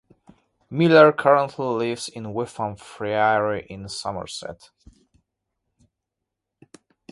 Miller currently lives in Witham Friary in Somerset.